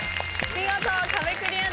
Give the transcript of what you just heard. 見事壁クリアです。